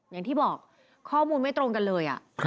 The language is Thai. อย่างที่บอกข้อมูลไม่ตรงกันเลย